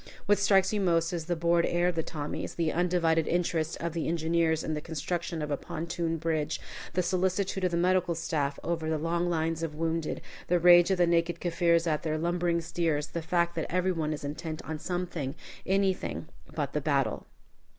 What strikes you most is the bored air of the Tommies, the undivided interest of the engineers in the construction of a pontoon bridge, the solicitude of the medical staff over the long lines of wounded, the rage of the naked Kaffirs at their lumbering steers; the fact that every one is intent on something anything but the battle.